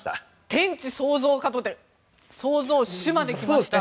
天地創造かと思って創造主まで来ました。